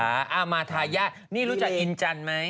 ให้ช้ามาทาร์ยะนี่รู้จักอินจันไหม